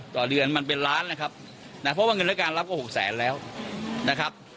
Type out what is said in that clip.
ต่อเดือนมันเป็นล้านนะครับนะเพราะว่าเงินและการรับก็หกแสนแล้วนะครับ